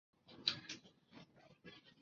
快点啊他有点恼